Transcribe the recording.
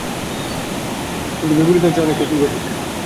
কিন্তু নদীতে জাল ফেলে দিন-রাত পরিশ্রম করেও খালি হাতে ফিরতে হচ্ছে।